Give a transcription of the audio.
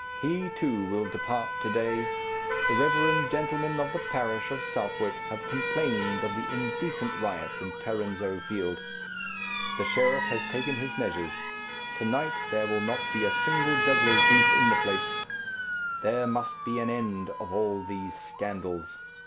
He, too, will depart to day. The reverend gentlemen of the parish of Southwark have complained of the indecent riot in Tarrinzeau field. The sheriff has taken his measures. To night there will not be a single juggler's booth in the place. There must be an end of all these scandals.